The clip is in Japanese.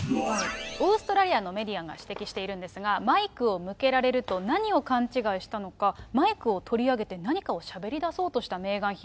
オーストラリアのメディアが指摘しているんですが、マイクを向けられると、何を勘違いしたのか、マイクを取り上げて、何かをしゃべり出そうとしたメーガン妃。